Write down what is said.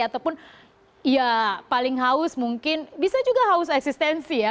ataupun ya paling haus mungkin bisa juga haus eksistensi ya